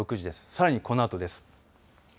さらにこのあとです。